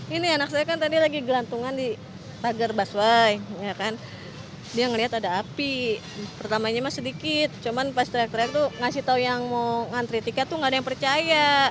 ini anak saya kan tadi lagi gelantungan di pagar busway dia ngeliat ada api pertamanya mas sedikit cuman pas teriak teriak tuh ngasih tau yang mau ngantri tiket tuh gak ada yang percaya